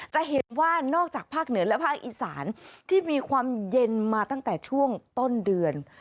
จะเห็นว่านอกจากภาคเหนือและภาคอีสานที่มีความเย็นมาตั้งแต่ช่วงต้นเดือน